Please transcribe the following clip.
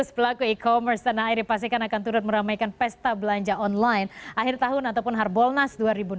dua belas pelaku e commerce tanah air dipastikan akan turut meramaikan pesta belanja online akhir tahun ataupun harbolnas dua ribu enam belas